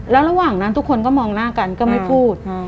แล้วระหว่างนั้นทุกคนก็มองหน้ากันก็ไม่พูด